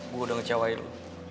gue udah ngecewain lo